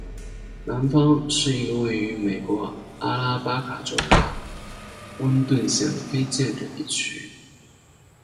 南方是一个位于美国阿拉巴马州卡温顿县的非建制地区。